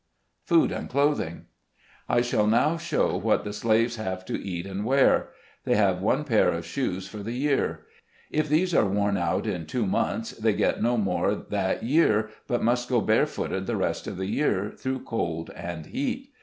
FOOD AND CLOTHING. I shall now show what the slaves have to eat and wear. They have one pair of shoes for the year; if these are worn out in two months, they get no more that year, but must go barefooted the rest of the year, through cold and heat.